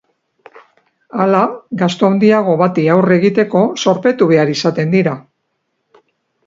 Hala, gastu handiago bati aurre egiteko zorpetu behar izaten dira.